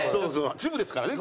恥部ですからね